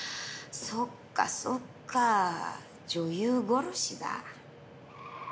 そっかそっか女優殺しだ。